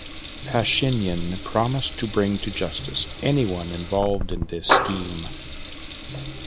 Pashinyan promised to bring to justice anyone involved in this scheme.